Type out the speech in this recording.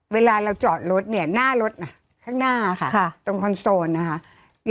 เวลาเราจอดรถเนี่ยหน้ารถข้างหน้าค่ะตรงคอนโซลนะคะ